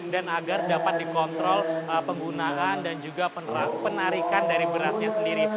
dan agar dapat dikontrol penggunaan dan juga penarikan dari berasnya sendiri